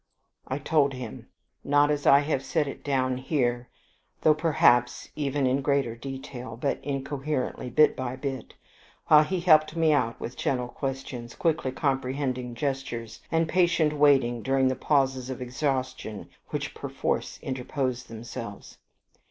I told him; not as I have set it down here, though perhaps even in greater detail, but incoherently, bit by bit, while he helped me out with gentle questions, quickly comprehending gestures, and patient waiting during the pauses of exhaustion which perforce interposed themselves.